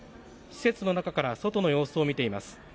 施設の中から外の様子を見ています。